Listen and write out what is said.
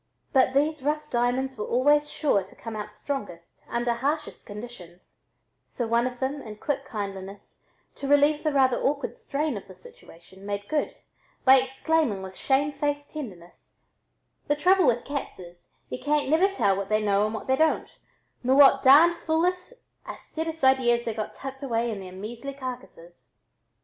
But these rough diamonds were always sure to come out strongest under hardest conditions, so one of them, in quick kindliness, to relieve the rather awkward strain of the situation, "made good" by exclaiming with shame faced tenderness: "The trouble with cats is, y'u can't never tell what they know and what they don't, nor what darned foolish audasus ideas they got tucked away in their measly carcasses."